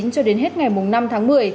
cho đến hết ngày năm tháng một mươi